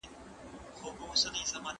رښتینی تعامل د حل لاره ده.